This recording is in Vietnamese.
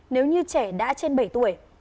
nếu như trẻ đã trên bảy tuổi